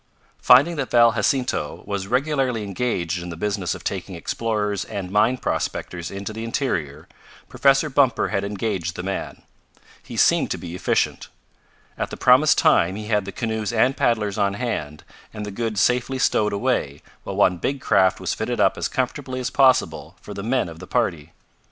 Finding that Val Jacinto was regularly engaged in the business of taking explorers and mine prospectors into the interior, Professor Bumper had engaged the man. He seemed to be efficient. At the promised time he had the canoes and paddlers on hand and the goods safely stowed away while one big craft was fitted up as comfortably as possible for the men of the party.